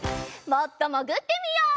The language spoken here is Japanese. もっともぐってみよう。